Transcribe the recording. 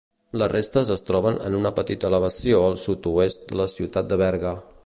Les restes es troben en una petita elevació al sud-oest de la ciutat de Berga.